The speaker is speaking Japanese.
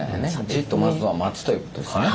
じっとまずは待つということですね。